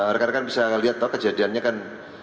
rekan rekan bisa melihat kejadiannya kan